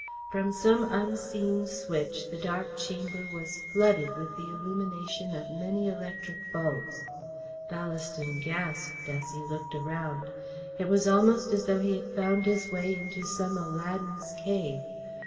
From some unseen switch the dark chamber was flooded with the illumination of many electric bulbs. Ballaston gasped as he looked around. It was almost as though he had found his way into some Aladdin's cave.